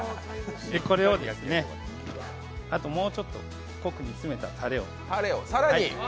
これを、あともうちょっと濃く煮詰めたたれを。